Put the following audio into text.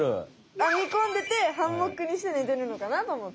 あみこんでてハンモックにして寝てるのかなとおもって。